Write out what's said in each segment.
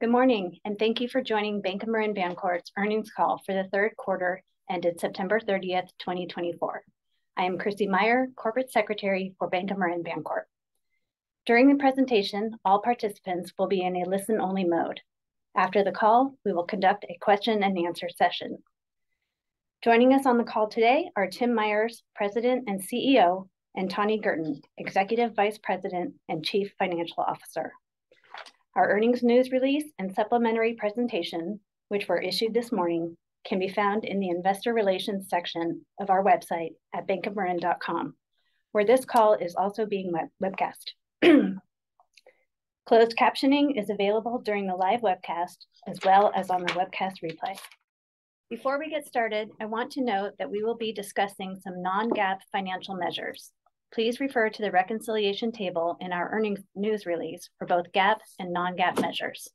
Good morning, and thank you for joining Bank of Marin Bancorp's earnings call for the third quarter, ended September 30th, 2023. I am Krissy Meyer, corporate secretary for Bank of Marin Bancorp. During the presentation, all participants will be in a listen-only mode. After the call, we will conduct a question-and-answer session. Joining us on the call today are Tim Myers, President and CEO, and Tani Girton, Executive Vice President and Chief Financial Officer. Our earnings news release and supplementary presentation, which were issued this morning, can be found in the Investor Relations section of our website at bankofmarin.com, where this call is also being webcast. Closed captioning is available during the live webcast, as well as on the webcast replay. Before we get started, I want to note that we will be discussing some non-GAAP financial measures. Please refer to the reconciliation table in our earnings news release for both GAAP and non-GAAP measures.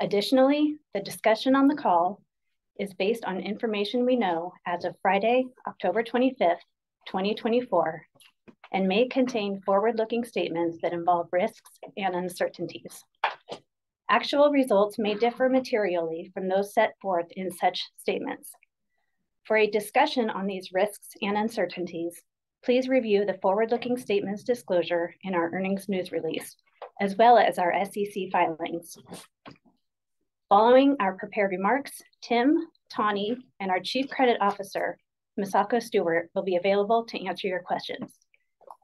Additionally, the discussion on the call is based on information we know as of Friday, October twenty-fifth, twenty twenty-four, and may contain forward-looking statements that involve risks and uncertainties. Actual results may differ materially from those set forth in such statements. For a discussion on these risks and uncertainties, please review the forward-looking statements disclosure in our earnings news release, as well as our SEC filings. Following our prepared remarks, Tim, Tani, and our Chief Credit Officer, Misako Stewart, will be available to answer your questions.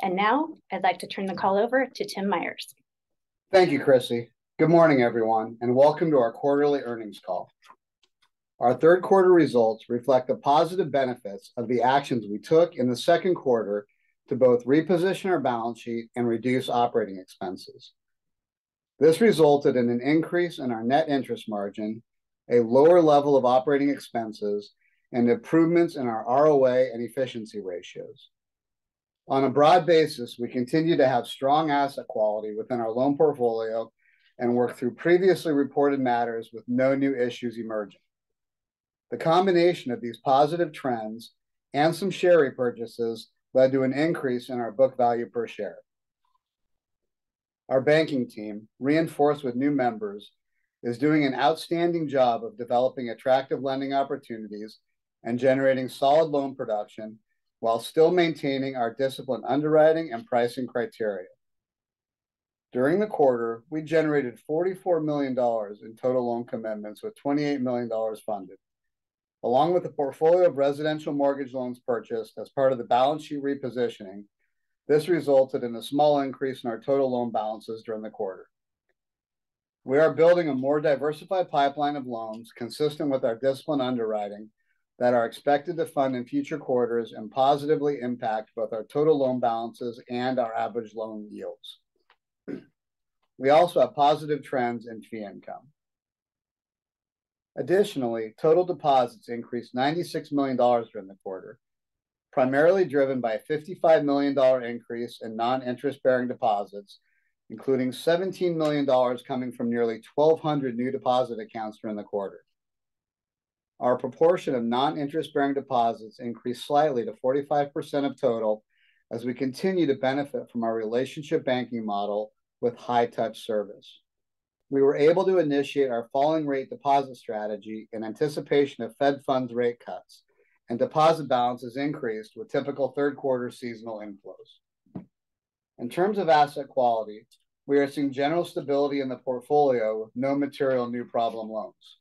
And now, I'd like to turn the call over to Tim Myers. Thank you, Krissy. Good morning, everyone, and welcome to our quarterly earnings call. Our third quarter results reflect the positive benefits of the actions we took in the second quarter to both reposition our balance sheet and reduce operating expenses. This resulted in an increase in our net interest margin, a lower level of operating expenses, and improvements in our ROA and efficiency ratios. On a broad basis, we continue to have strong asset quality within our loan portfolio and work through previously reported matters with no new issues emerging. The combination of these positive trends and some share repurchases led to an increase in our book value per share. Our banking team, reinforced with new members, is doing an outstanding job of developing attractive lending opportunities and generating solid loan production while still maintaining our disciplined underwriting and pricing criteria. During the quarter, we generated $44 million in total loan commitments, with $28 million funded. Along with a portfolio of residential mortgage loans purchased as part of the balance sheet repositioning, this resulted in a small increase in our total loan balances during the quarter. We are building a more diversified pipeline of loans consistent with our disciplined underwriting that are expected to fund in future quarters and positively impact both our total loan balances and our average loan yields. We also have positive trends in fee income. Additionally, total deposits increased $96 million during the quarter, primarily driven by a $55 million increase in non-interest-bearing deposits, including $17 million coming from nearly 1,200 new deposit accounts during the quarter. Our proportion of non-interest-bearing deposits increased slightly to 45% of total as we continue to benefit from our relationship banking model with high-touch service. We were able to initiate our falling rate deposit strategy in anticipation of Fed funds rate cuts, and deposit balances increased with typical third quarter seasonal inflows. In terms of asset quality, we are seeing general stability in the portfolio, with no material new problem loans.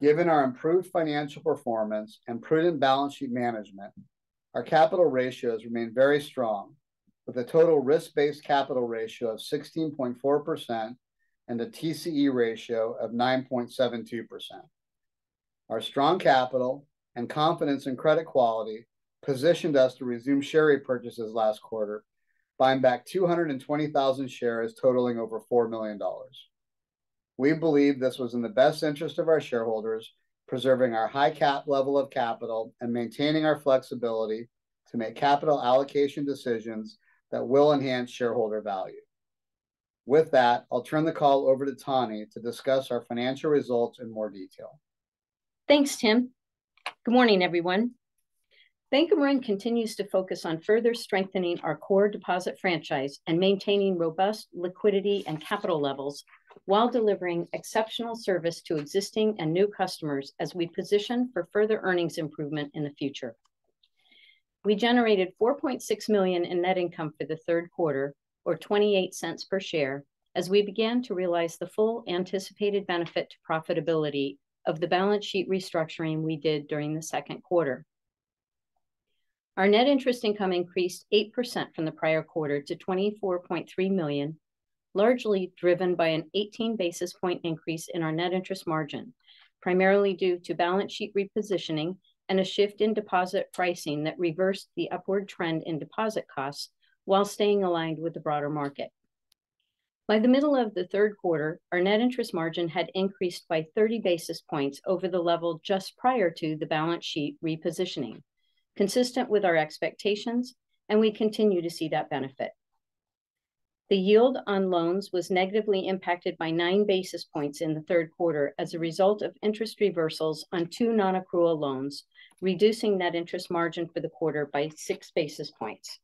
Given our improved financial performance and prudent balance sheet management, our capital ratios remain very strong, with a total risk-based capital ratio of 16.4% and a TCE ratio of 9.72%. Our strong capital and confidence in credit quality positioned us to resume share repurchases last quarter, buying back 220,000 shares totaling over $4 million. We believe this was in the best interest of our shareholders, preserving our high capital level of capital and maintaining our flexibility to make capital allocation decisions that will enhance shareholder value. With that, I'll turn the call over to Tani to discuss our financial results in more detail. Thanks, Tim. Good morning, everyone. Bank of Marin continues to focus on further strengthening our core deposit franchise and maintaining robust liquidity and capital levels while delivering exceptional service to existing and new customers as we position for further earnings improvement in the future. We generated $4.6 million in net income for the third quarter, or $0.28 per share, as we began to realize the full anticipated benefit to profitability of the balance sheet restructuring we did during the second quarter. Our net interest income increased 8% from the prior quarter to $24.3 million, largely driven by an eighteen basis points increase in our net interest margin, primarily due to balance sheet repositioning and a shift in deposit pricing that reversed the upward trend in deposit costs while staying aligned with the broader market. By the middle of the third quarter, our net interest margin had increased by 30 basis points over the level just prior to the balance sheet repositioning, consistent with our expectations, and we continue to see that benefit. The yield on loans was negatively impacted by nine basis points in the third quarter as a result of interest reversals on two nonaccrual loans, reducing net interest margin for the quarter by six basis points.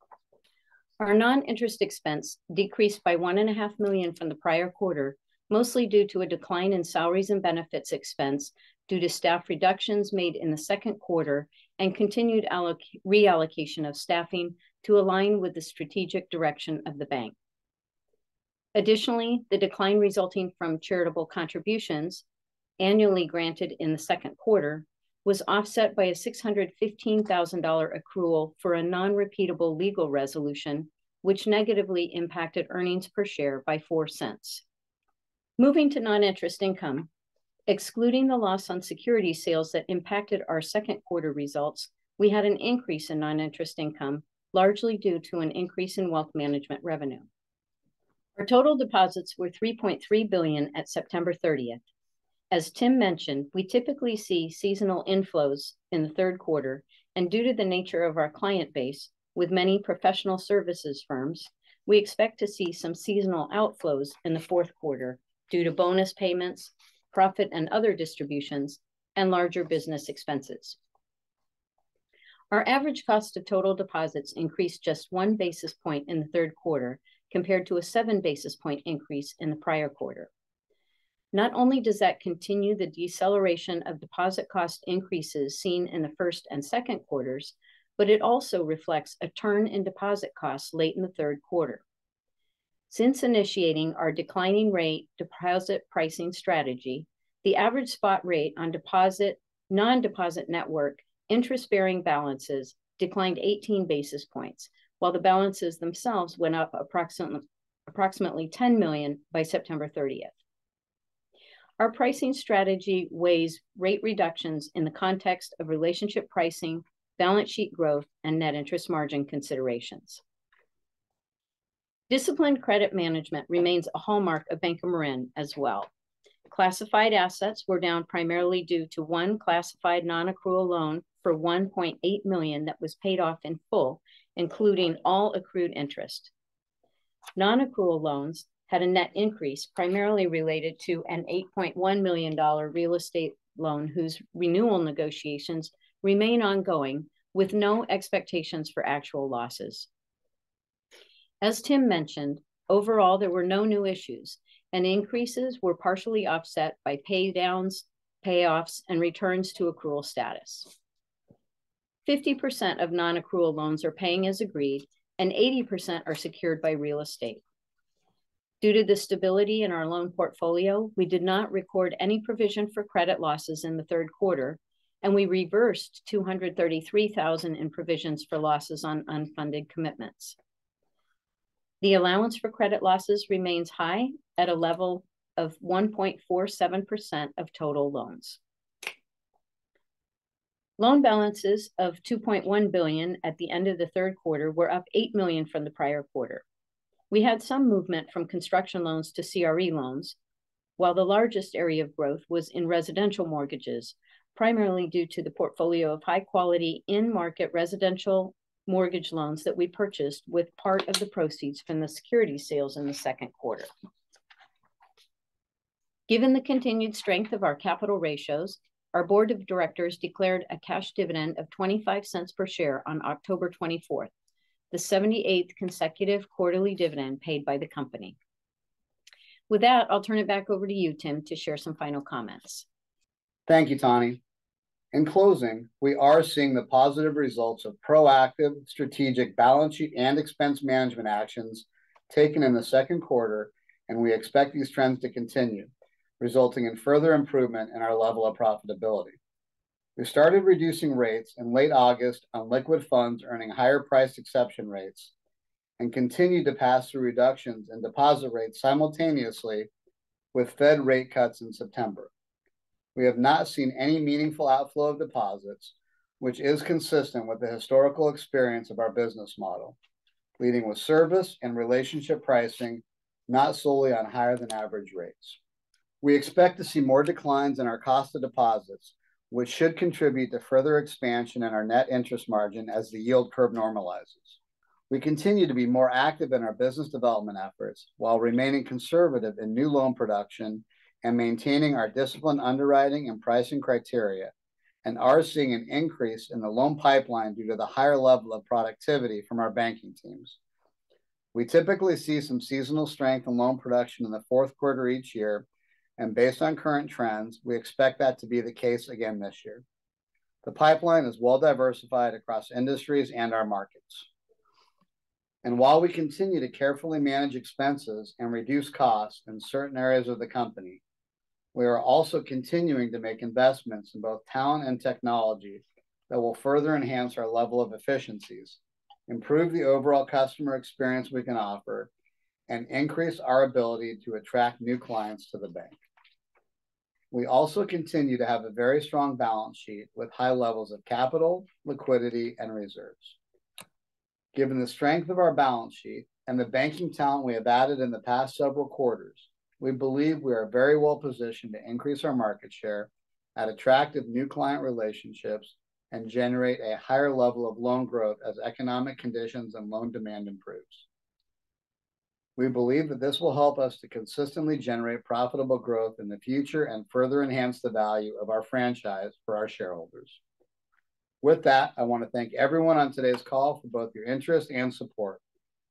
Our noninterest expense decreased by $1.5 million from the prior quarter, mostly due to a decline in salaries and benefits expense due to staff reductions made in the second quarter, and continued reallocation of staffing to align with the strategic direction of the bank. Additionally, the decline resulting from charitable contributions annually granted in the second quarter was offset by a $615,000 accrual for a non-repeatable legal resolution, which negatively impacted earnings per share by $0.04. Moving to non-interest income, excluding the loss on security sales that impacted our second quarter results, we had an increase in non-interest income, largely due to an increase in wealth management revenue. Our total deposits were $3.3 billion at September 30th. As Tim mentioned, we typically see seasonal inflows in the third quarter, and due to the nature of our client base, with many professional services firms, we expect to see some seasonal outflows in the fourth quarter due to bonus payments, profit and other distributions, and larger business expenses. Our average cost of total deposits increased just one basis point in the third quarter, compared to a seven basis point increase in the prior quarter. Not only does that continue the deceleration of deposit cost increases seen in the first and second quarters, but it also reflects a turn in deposit costs late in the third quarter. Since initiating our declining rate deposit pricing strategy, the average spot rate on deposits, non-deposit network interest-bearing balances declined eighteen basis points, while the balances themselves went up approximately ten million by September 30th. Our pricing strategy weighs rate reductions in the context of relationship pricing, balance sheet growth, and net interest margin considerations. Disciplined credit management remains a hallmark of Bank of Marin as well. Classified assets were down primarily due to one classified non-accrual loan for $1.8 million that was paid off in full, including all accrued interest. Non-accrual loans had a net increase, primarily related to an $8.1 million real estate loan, whose renewal negotiations remain ongoing, with no expectations for actual losses. As Tim mentioned, overall, there were no new issues, and increases were partially offset by paydowns, payoffs, and returns to accrual status. 50% of non-accrual loans are paying as agreed, and 80% are secured by real estate. Due to the stability in our loan portfolio, we did not record any provision for credit losses in the third quarter, and we reversed $233,000 in provisions for losses on unfunded commitments. The allowance for credit losses remains high at a level of 1.47% of total loans. Loan balances of $2.1 billion at the end of the third quarter were up $8 million from the prior quarter. We had some movement from construction loans to CRE loans, while the largest area of growth was in residential mortgages, primarily due to the portfolio of high quality in-market residential mortgage loans that we purchased with part of the proceeds from the security sales in the second quarter. Given the continued strength of our capital ratios, our board of directors declared a cash dividend of $0.25 per share on October 24th, the 78th consecutive quarterly dividend paid by the company. With that, I'll turn it back over to you, Tim, to share some final comments. Thank you, Tani. In closing, we are seeing the positive results of proactive strategic balance sheet and expense management actions taken in the second quarter, and we expect these trends to continue, resulting in further improvement in our level of profitability. We started reducing rates in late August on liquid funds, earning higher price exception rates, and continued to pass through reductions in deposit rates simultaneously with Fed rate cuts in September. We have not seen any meaningful outflow of deposits, which is consistent with the historical experience of our business model, leading with service and relationship pricing, not solely on higher-than-average rates. We expect to see more declines in our cost of deposits, which should contribute to further expansion in our net interest margin as the yield curve normalizes. We continue to be more active in our business development efforts while remaining conservative in new loan production and maintaining our disciplined underwriting and pricing criteria, and are seeing an increase in the loan pipeline due to the higher level of productivity from our banking teams. We typically see some seasonal strength in loan production in the fourth quarter each year, and based on current trends, we expect that to be the case again this year. The pipeline is well diversified across industries and our markets, and while we continue to carefully manage expenses and reduce costs in certain areas of the company, we are also continuing to make investments in both talent and technologies that will further enhance our level of efficiencies, improve the overall customer experience we can offer, and increase our ability to attract new clients to the bank. We also continue to have a very strong balance sheet with high levels of capital, liquidity, and reserves. Given the strength of our balance sheet and the banking talent we have added in the past several quarters, we believe we are very well positioned to increase our market share, add attractive new client relationships, and generate a higher level of loan growth as economic conditions and loan demand improves.... We believe that this will help us to consistently generate profitable growth in the future and further enhance the value of our franchise for our shareholders. With that, I want to thank everyone on today's call for both your interest and support.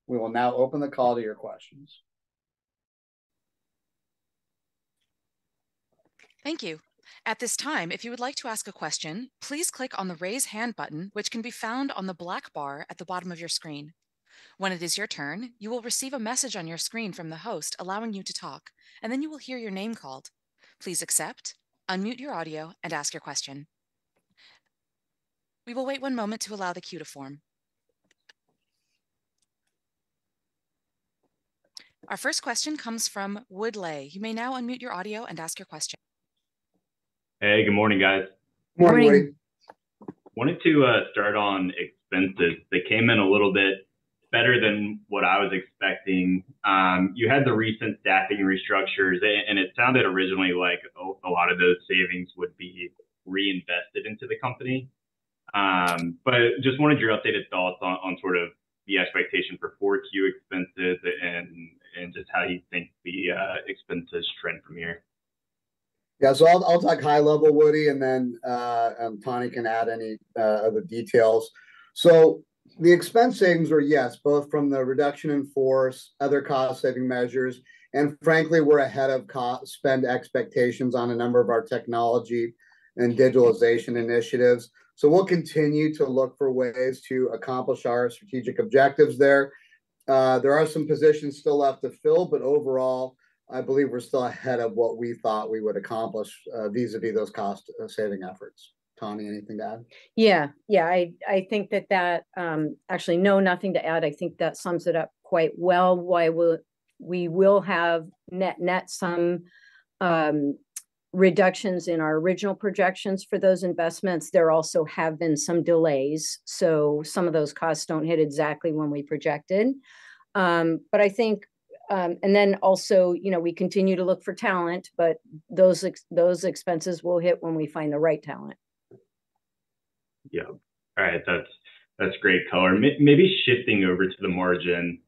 We will now open the call to your questions. Thank you. At this time, if you would like to ask a question, please click on the Raise Hand button, which can be found on the black bar at the bottom of your screen. When it is your turn, you will receive a message on your screen from the host allowing you to talk, and then you will hear your name called. Please accept, unmute your audio, and ask your question. We will wait one moment to allow the queue to form. Our first question comes from Woody Lay. You may now unmute your audio and ask your question. Hey, good morning, guys. Good morning. Good morning. Wanted to start on expenses. They came in a little bit better than what I was expecting. You had the recent staffing restructures, and it sounded originally like a lot of those savings would be reinvested into the company. But just wanted your updated thoughts on sort of the expectation for 4Q expenses and just how you think the expenses trend from here. Yeah, so I'll talk high level, Woody, and then Tani can add any other details. So the expense savings are, yes, both from the reduction in force, other cost-saving measures, and frankly, we're ahead of cost-spend expectations on a number of our technology and digitalization initiatives. So we'll continue to look for ways to accomplish our strategic objectives there. There are some positions still left to fill, but overall, I believe we're still ahead of what we thought we would accomplish vis-a-vis those cost saving efforts. Tani, anything to add? Yeah, yeah. I think that... Actually, no, nothing to add. I think that sums it up quite well. While we will have net some reductions in our original projections for those investments, there also have been some delays, so some of those costs don't hit exactly when we projected. But I think, and then also, you know, we continue to look for talent, but those expenses will hit when we find the right talent. Yeah. All right, that's great color. Maybe shifting over to the margin.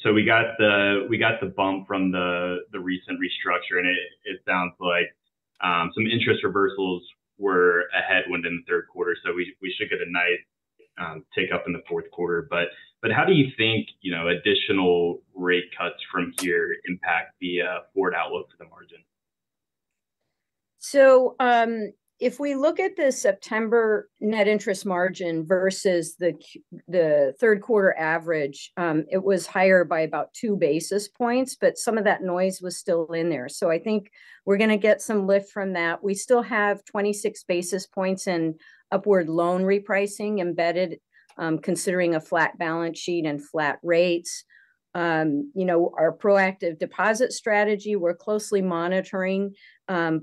So we got the bump from the recent restructure, and it sounds like some interest reversals were a headwind in the third quarter, so we should get a nice take up in the fourth quarter. But how do you think, you know, additional rate cuts from here impact the forward outlook for the margin? So, if we look at the September net interest margin versus the third quarter average, it was higher by about two basis points, but some of that noise was still in there. I think we're gonna get some lift from that. We still have 26 basis points and upward loan repricing embedded, considering a flat balance sheet and flat rates. You know, our proactive deposit strategy, we're closely monitoring,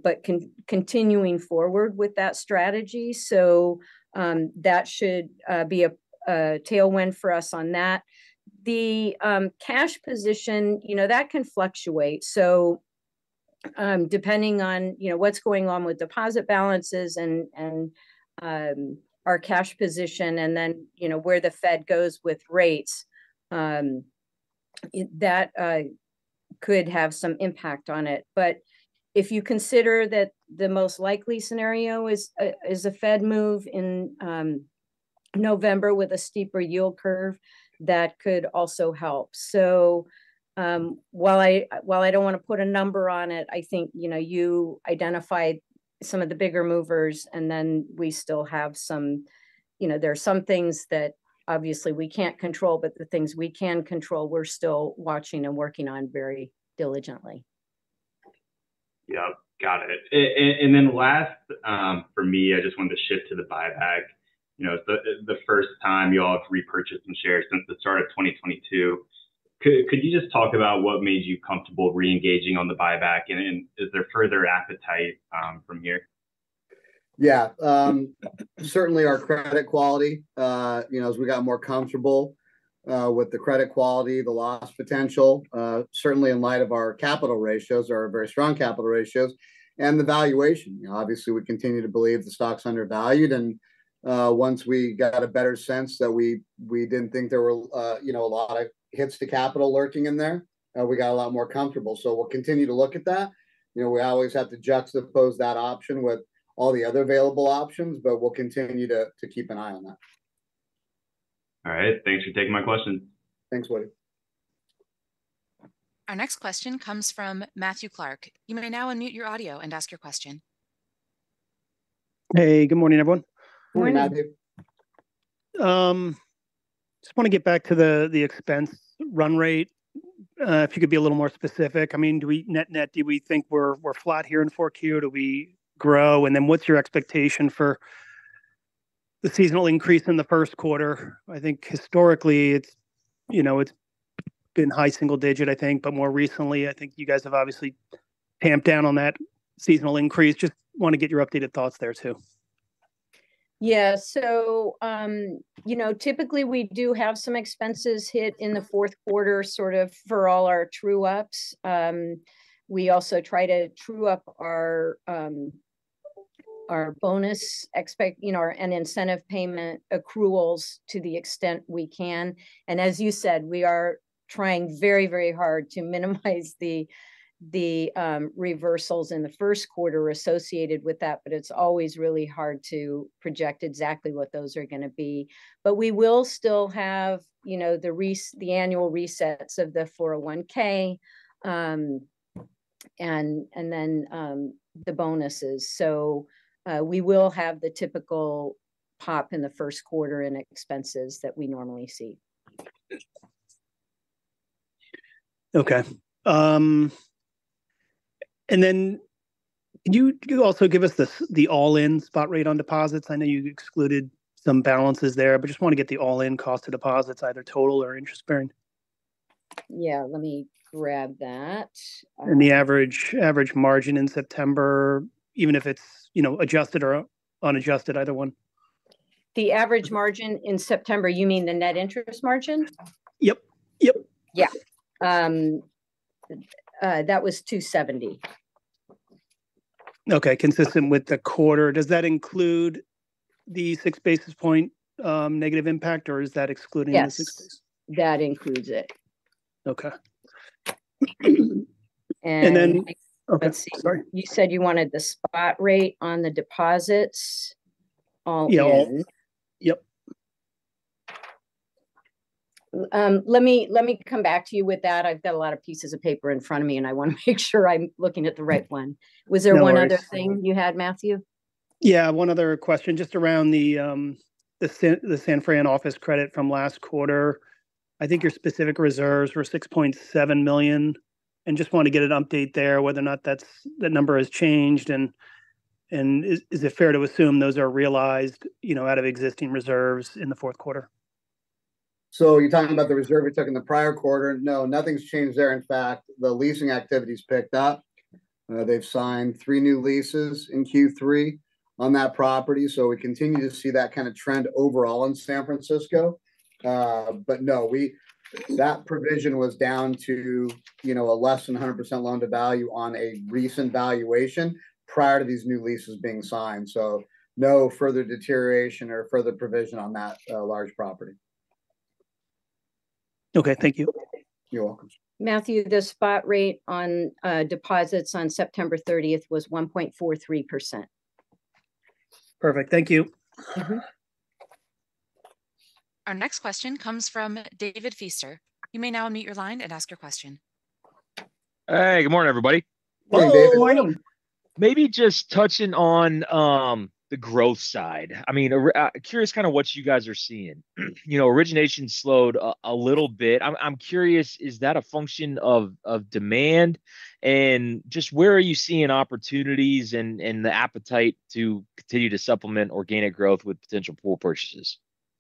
but continuing forward with that strategy. That should be a tailwind for us on that. The cash position, you know, that can fluctuate. Depending on, you know, what's going on with deposit balances and our cash position, and then, you know, where the Fed goes with rates, that could have some impact on it. But if you consider that the most likely scenario is a Fed move in November with a steeper yield curve, that could also help. So, while I don't want to put a number on it, I think, you know, you identified some of the bigger movers, and then we still have some... You know, there are some things that obviously we can't control, but the things we can control, we're still watching and working on very diligently. Yep, got it. And then last, for me, I just wanted to shift to the buyback. You know, it's the first time you all have repurchased some shares since the start of twenty twenty-two. Could you just talk about what made you comfortable reengaging on the buyback, and then is there further appetite from here? Yeah, certainly our credit quality. You know, as we got more comfortable with the credit quality, the loss potential, certainly in light of our capital ratios, our very strong capital ratios, and the valuation. Obviously, we continue to believe the stock's undervalued, and once we got a better sense that we didn't think there were, you know, a lot of hits to capital lurking in there, we got a lot more comfortable. So we'll continue to look at that. You know, we always have to juxtapose that option with all the other available options, but we'll continue to keep an eye on that. All right. Thanks for taking my question. Thanks, Woody. Our next question comes from Matthew Clark. You may now unmute your audio and ask your question. Hey, good morning, everyone. Good morning. Good morning. Just want to get back to the expense run rate, if you could be a little more specific. I mean, do we net-net think we're flat here in 4Q? Do we grow? And then what's your expectation for the seasonal increase in the first quarter? I think historically, it's, you know, it's been high single digit, I think, but more recently, I think you guys have obviously tamped down on that seasonal increase. Just want to get your updated thoughts there, too. Yeah. So, you know, typically, we do have some expenses hit in the fourth quarter, sort of for all our true-ups. We also try to true up our bonus expense, you know, and incentive payment accruals to the extent we can. And as you said, we are trying very, very hard to minimize the reversals in the first quarter associated with that, but it's always really hard to project exactly what those are gonna be. But we will still have, you know, the annual resets of the 401(k) and then the bonuses. So, we will have the typical pop in the first quarter in expenses that we normally see. Okay. And then can you, can you also give us the all-in spot rate on deposits? I know you excluded some balances there, but just want to get the all-in cost of deposits, either total or interest-bearing. Yeah, let me grab that. The average margin in September, even if it's, you know, adjusted or unadjusted, either one. The average margin in September, you mean the net interest margin? Yep, yep. Yeah. That was two seventy. Okay, consistent with the quarter. Does that include the six basis points, negative impact, or is that excluding- Yes... the six basis? That includes it. Okay. And- And then- Let's see. Okay, sorry. You said you wanted the spot rate on the deposits, all in? Yeah. Yep. Let me come back to you with that. I've got a lot of pieces of paper in front of me, and I want to make sure I'm looking at the right one. No worries. Was there one other thing you had, Matthew? Yeah, one other question, just around the San Francisco office credit from last quarter. I think your specific reserves were $6.7 million, and just want to get an update there, whether or not that number has changed. And is it fair to assume those are realized, you know, out of existing reserves in the fourth quarter? So you're talking about the reserve we took in the prior quarter? No, nothing's changed there. In fact, the leasing activity's picked up. They've signed three new leases in Q3 on that property, so we continue to see that kind of trend overall in San Francisco. But no, that provision was down to, you know, a less than 100% loan-to-value on a recent valuation prior to these new leases being signed. So no further deterioration or further provision on that large property. Okay, thank you. You're welcome. Matthew, the spot rate on deposits on September 30th was 1.43%. Perfect. Thank you. Mm-hmm. Our next question comes from David Feaster. You may now unmute your line and ask your question. Hey, good morning, everybody. Morning, David. Good morning! Maybe just touching on, the growth side. I mean, curious kind of what you guys are seeing. You know, origination slowed a little bit. I'm curious, is that a function of demand? And just where are you seeing opportunities and the appetite to continue to supplement organic growth with potential pool purchases?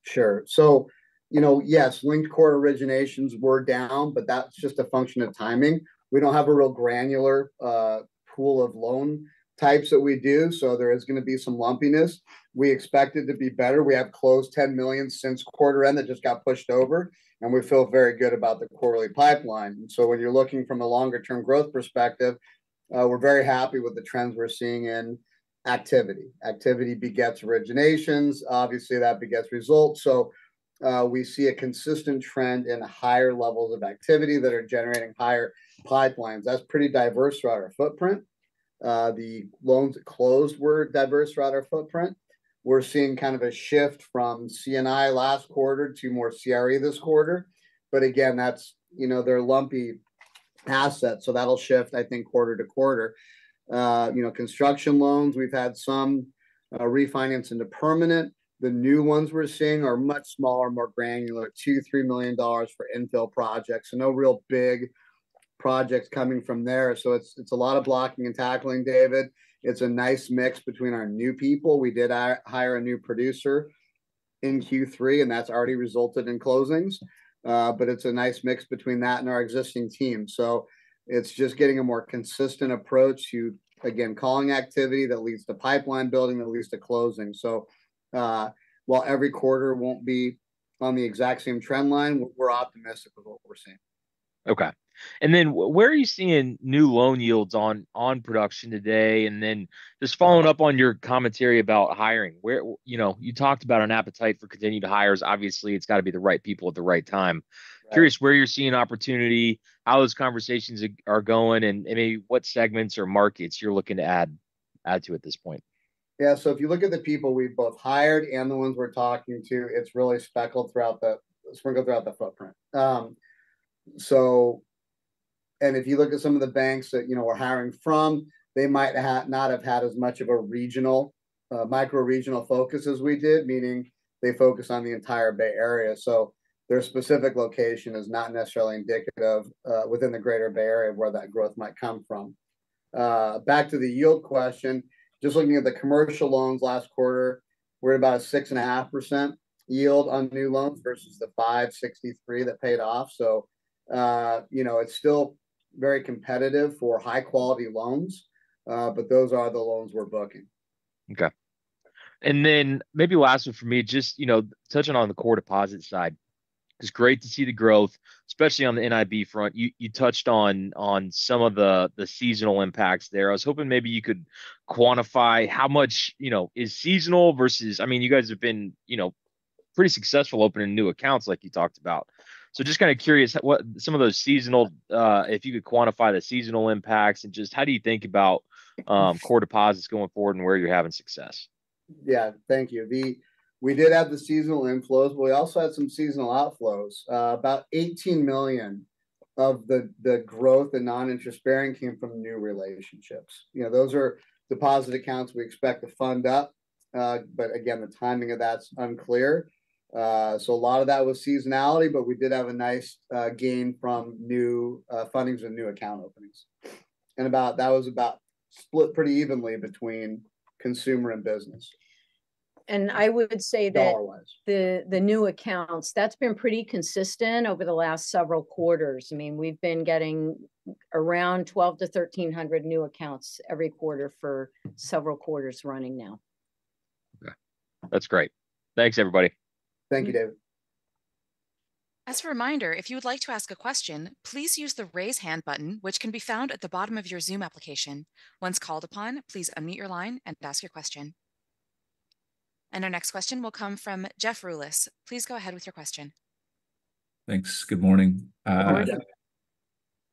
Sure. So, you know, yes, linked quarter originations were down, but that's just a function of timing. We don't have a real granular pool of loan types that we do, so there is gonna be some lumpiness. We expect it to be better. We have closed $10 million since quarter end that just got pushed over, and we feel very good about the quarterly pipeline. So when you're looking from a longer-term growth perspective, we're very happy with the trends we're seeing in activity. Activity begets originations. Obviously, that begets results. So, we see a consistent trend in the higher levels of activity that are generating higher pipelines. That's pretty diverse throughout our footprint. The loans that closed were diverse throughout our footprint. We're seeing kind of a shift from C&I last quarter to more CRE this quarter, but again, that's, you know, they're lumpy assets, so that'll shift, I think, quarter to quarter. You know, construction loans, we've had some refinance into permanent. The new ones we're seeing are much smaller, more granular, $2 million-$3 million for infill projects. So no real big projects coming from there. So it's a lot of blocking and tackling, David. It's a nice mix between our new people. We did hire a new producer in Q3, and that's already resulted in closings. But it's a nice mix between that and our existing team. So it's just getting a more consistent approach to, again, calling activity that leads to pipeline building, that leads to closing. So, while every quarter won't be on the exact same trend line, we're optimistic with what we're seeing. Okay. And then where are you seeing new loan yields on production today? And then just following up on your commentary about hiring, where... You know, you talked about an appetite for continued hires. Obviously, it's got to be the right people at the right time. Right. Curious where you're seeing opportunity, how those conversations are going, and what segments or markets you're looking to add to at this point. Yeah, so if you look at the people we've both hired and the ones we're talking to, it's really sprinkled throughout the footprint. So, and if you look at some of the banks that, you know, we're hiring from, they might not have had as much of a regional, micro-regional focus as we did, meaning they focus on the entire Bay Area, so their specific location is not necessarily indicative within the Greater Bay Area, where that growth might come from. Back to the yield question, just looking at the commercial loans last quarter, we're about a 6.5% yield on new loans versus the 5.63% that paid off. So, you know, it's still very competitive for high-quality loans, but those are the loans we're booking. Okay, and then maybe last one for me, just, you know, touching on the core deposit side. It's great to see the growth, especially on the NIB front. You touched on some of the seasonal impacts there. I was hoping maybe you could quantify how much, you know, is seasonal versus- I mean, you guys have been, you know, pretty successful opening new accounts, like you talked about. So just kind of curious what some of those seasonal, if you could quantify the seasonal impacts, and just how do you think about core deposits going forward and where you're having success? Yeah. Thank you. We did have the seasonal inflows, but we also had some seasonal outflows. About $18 million of the growth in non-interest bearing came from new relationships. You know, those are deposit accounts we expect to fund up, but again, the timing of that's unclear. So a lot of that was seasonality, but we did have a nice gain from new fundings and new account openings. And that was about split pretty evenly between consumer and business. I would say that. Dollar-wise... the new accounts, that's been pretty consistent over the last several quarters. I mean, we've been getting around twelve to thirteen hundred new accounts every quarter for several quarters running now. Okay. That's great. Thanks, everybody. Thank you, David. As a reminder, if you would like to ask a question, please use the Raise Hand button, which can be found at the bottom of your Zoom application. Once called upon, please unmute your line and ask your question. And our next question will come from Jeff Rulis. Please go ahead with your question. Thanks. Good morning. Good morning, Jeff.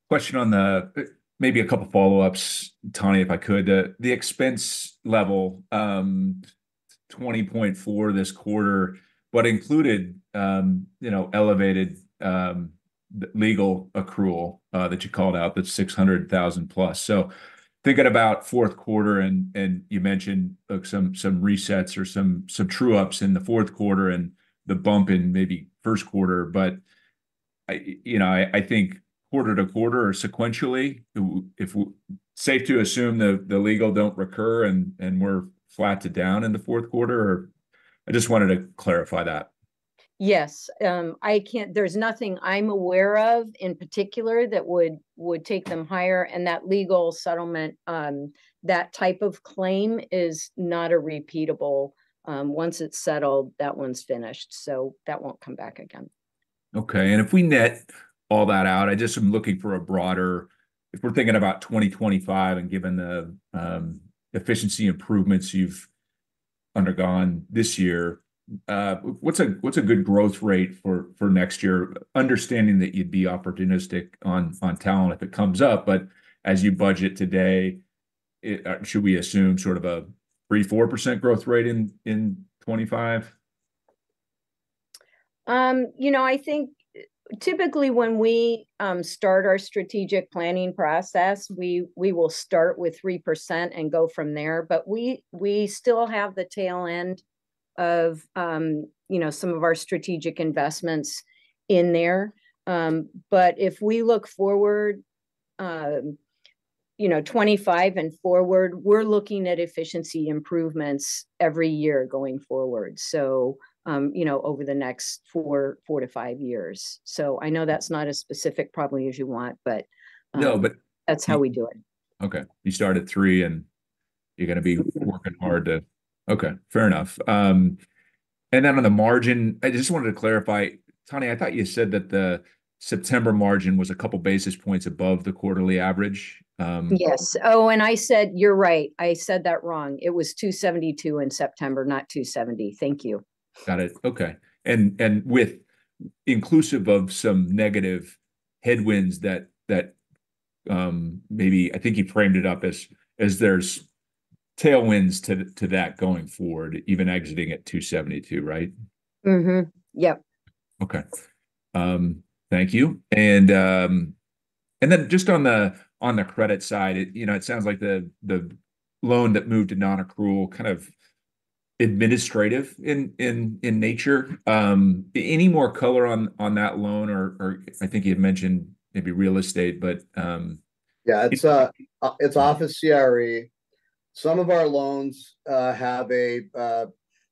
Question on the maybe a couple follow-ups, Tani, if I could. The expense level, 20.4% this quarter, but included you know elevated legal accrual that you called out, that's $600,000 plus. So thinking about fourth quarter, and you mentioned some resets or some true-ups in the fourth quarter and the bump in maybe first quarter. But I you know I think quarter to quarter or sequentially, if it's safe to assume the legal don't recur and we're flat to down in the fourth quarter, or? I just wanted to clarify that. Yes. I can't. There's nothing I'm aware of in particular that would take them higher, and that legal settlement, that type of claim is not a repeatable. Once it's settled, that one's finished, so that won't come back again. Okay, and if we net all that out, I just am looking for a broader... If we're thinking about twenty twenty-five and given the efficiency improvements you've undergone this year, what's a good growth rate for next year? Understanding that you'd be opportunistic on talent if it comes up, but as you budget today, it should we assume sort of a 3%-4% growth rate in twenty-five? You know, I think typically when we start our strategic planning process, we will start with 3% and go from there. But we still have the tail end of you know some of our strategic investments in there. But if we look forward you know 2025 and forward, we're looking at efficiency improvements every year going forward, so you know over the next four to five years. So I know that's not as specific probably as you want, but- No, but- That's how we do it. Okay. You start at three, and you're gonna be working hard to... Okay, fair enough, and then on the margin, I just wanted to clarify, Tani. I thought you said that the September margin was a couple basis points above the quarterly average. Yes. Oh, and I said. You're right, I said that wrong. It was two seventy-two in September, not two seventy. Thank you. Got it. Okay. And with inclusive of some negative headwinds that, maybe I think you framed it up as, as there's tailwinds to that going forward, even exiting at 272, right? Mm-hmm. Yep. Okay. Thank you. And then just on the credit side, it, you know, it sounds like the loan that moved to nonaccrual, kind of administrative in nature. Any more color on that loan? Or I think you had mentioned maybe real estate, but- Yeah, it's office CRE. Some of our loans have a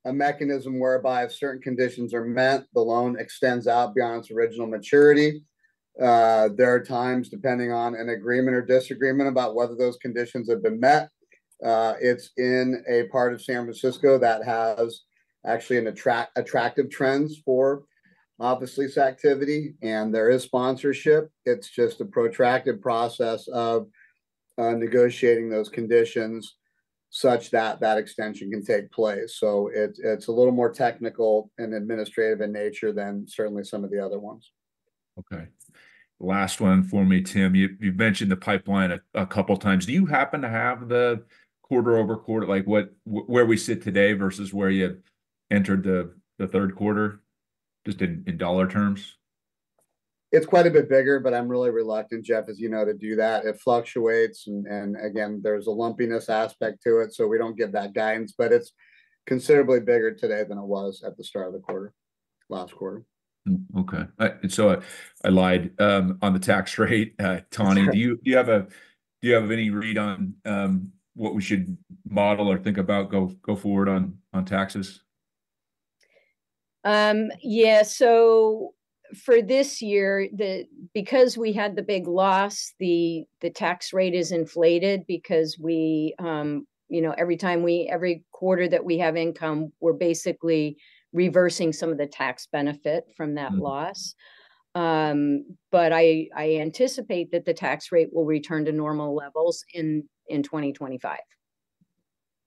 mechanism whereby if certain conditions are met, the loan extends out beyond its original maturity. There are times, depending on an agreement or disagreement about whether those conditions have been met, it's in a part of San Francisco that has actually attractive trends for office lease activity, and there is sponsorship. It's just a protracted process of negotiating those conditions such that that extension can take place. So it's a little more technical and administrative in nature than certainly some of the other ones. Okay. Last one for me, Tim. You've mentioned the pipeline a couple times. Do you happen to have the quarter over quarter, like, where we sit today versus where you entered the third quarter, just in dollar terms? It's quite a bit bigger, but I'm really reluctant, Jeff, as you know, to do that. It fluctuates, and again, there's a lumpiness aspect to it, so we don't give that guidance, but it's considerably bigger today than it was at the start of the quarter, last quarter. Okay. And so I lied on the tax rate, Tani- Sure... do you have any read on what we should model or think about go forward on taxes?... Yeah, so for this year, because we had the big loss, the tax rate is inflated because we, you know, every quarter that we have income, we're basically reversing some of the tax benefit from that loss. Mm-hmm. But I anticipate that the tax rate will return to normal levels in 2025.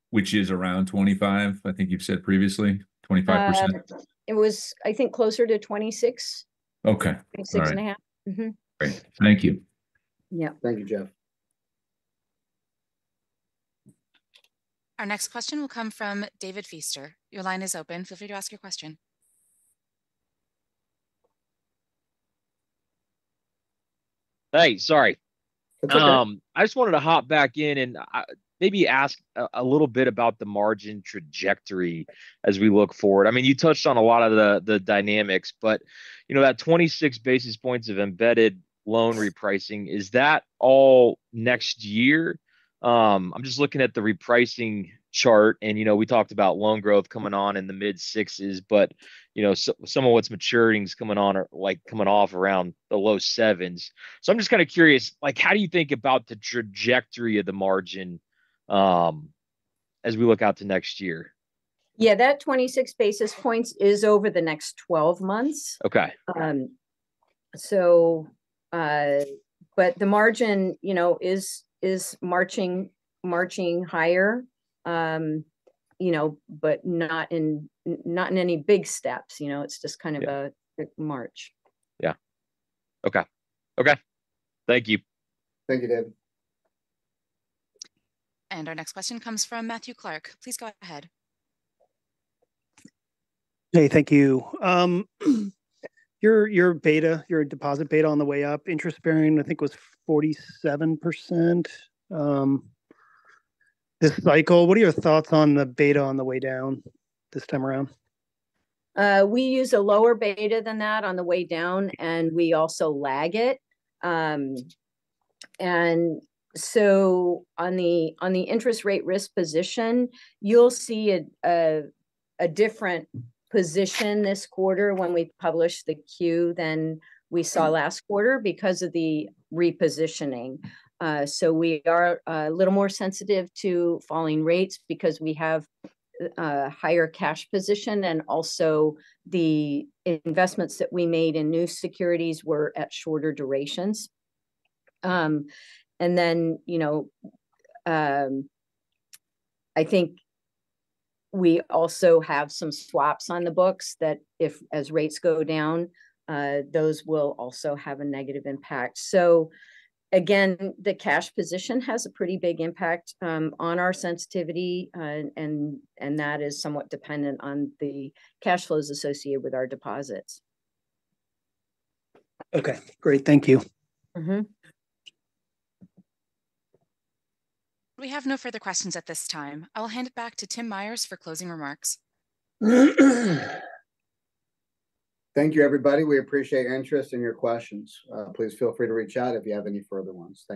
Which is around 25%, I think you've said previously, 25%? It was, I think, closer to 26. Okay. 26.5. All right. Mm-hmm. Great. Thank you. Yeah. Thank you, Jeff. Our next question will come from David Feaster. Your line is open. Feel free to ask your question. Hey, sorry. It's okay. I just wanted to hop back in and maybe ask a little bit about the margin trajectory as we look forward. I mean, you touched on a lot of the dynamics, but you know, that 26 basis points of embedded loan repricing, is that all next year? I'm just looking at the repricing chart, and you know, we talked about loan growth coming on in the mid sixes, but you know, so some of what's maturing is coming on or like coming off around the low sevens. So I'm just kind of curious, like how do you think about the trajectory of the margin as we look out to next year? Yeah, that 26 basis points is over the next 12 months. Okay. But the margin, you know, is marching higher, you know, but not in any big steps, you know? Yeah. It's just kind of a march. Yeah. Okay. Okay. Thank you. Thank you, David. Our next question comes from Matthew Clark. Please go ahead. Hey, thank you. Your, your beta, your deposit beta on the way up, interest bearing, I think, was 47%, this cycle. What are your thoughts on the beta on the way down this time around? We use a lower beta than that on the way down, and we also lag it. So on the interest rate risk position, you'll see a different position this quarter when we publish the Q than we saw last quarter because of the repositioning. So we are a little more sensitive to falling rates because we have higher cash position, and also the investments that we made in new securities were at shorter durations. And then, you know, I think we also have some swaps on the books that if as rates go down, those will also have a negative impact. So again, the cash position has a pretty big impact on our sensitivity, and that is somewhat dependent on the cash flows associated with our deposits. Okay, great. Thank you. Mm-hmm. We have no further questions at this time. I'll hand it back to Tim Myers for closing remarks. Thank you, everybody. We appreciate your interest and your questions. Please feel free to reach out if you have any further ones. Thank you.